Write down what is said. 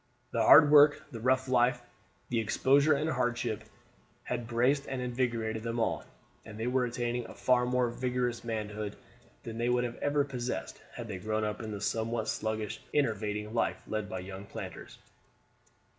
The hard work, the rough life, the exposure and hardship, had braced and invigorated them all, and they were attaining a far more vigorous manhood than they would ever have possessed had they grown up in the somewhat sluggish and enervating life led by young planters.